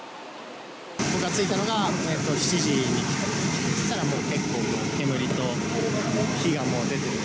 僕が着いたのが７時に、そしたらもう、結構煙と火がもう出てて。